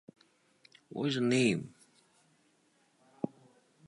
The ancient river presence is testified from the toponym "Valle" (hollow) located southwards.